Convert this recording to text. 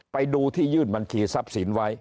ไปดูที่ยื่นบัญชีทรัพย์สินไว้